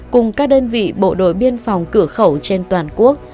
cùng các đơn vị bộ đội biên phòng cửa khẩu trên toàn quốc